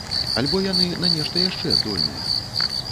Альбо яны на нешта яшчэ здольныя?